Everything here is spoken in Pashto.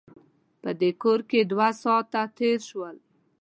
په دې کور کې دوه ساعته تېر شول.